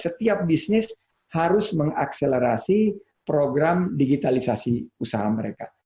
setiap bisnis harus mengakselerasi program digitalisasi usaha mereka